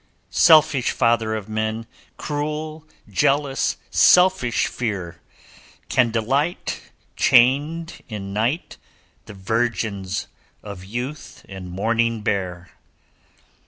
'Selfish father of men! Cruel, jealous, selfish fear! Can delight, Chained in night, The virgins of youth and morning bear.